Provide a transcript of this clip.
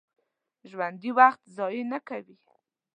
ژوندي وخت ضایع نه کوي